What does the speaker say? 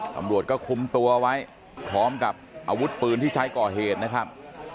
ตำรวจก็คุมตัวไว้พร้อมกับอาวุธปืนที่ใช้ก่อเหตุนะครับ